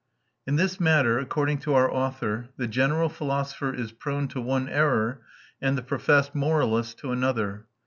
In this matter, according to our author, the general philosopher is prone to one error and the professed moralist to another.